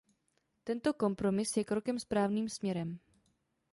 Tento kompromis je krokem správným směrem.